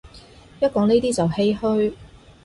一講呢啲就唏噓